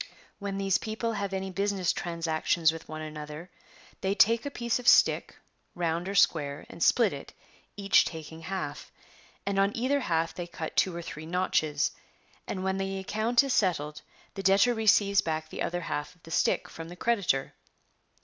When these people have any business transac tions with one another, they take a piece of stick, round or square, and split it, each taking half And on either half they cut two or three notches. And when the account is settled the debtor receives back the other half of the stick from the creditor.